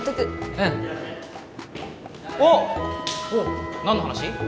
うんおっ何の話？